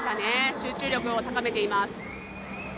集中力を高めています。